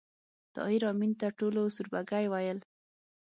طاهر آمین ته ټولو سوربګی ویل